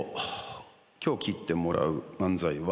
今日聞いてもらう漫才は。